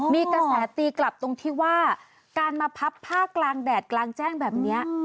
มีกระแสตีกลับตรงที่ว่าการมาพับผ้ากลางแดดกลางแจ้งแบบนี้